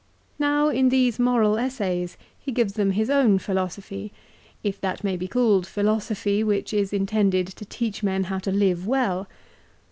Now, in these moral essays, he gives them his own philosophy, if that may be called philosophy which is intended to teach men how to live well.